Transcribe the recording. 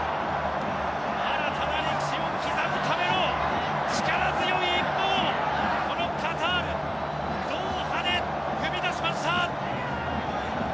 新たな歴史を刻むための力強い一歩をこのカタール・ドーハで踏み出しました！